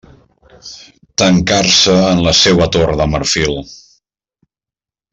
Tancar-se en la seua torre de marfil.